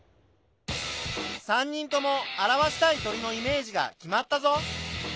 ３人とも表したい鳥のイメージが決まったぞ。